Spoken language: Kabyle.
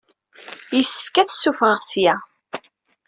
Yessefk ad t-ssuffɣeɣ ssya.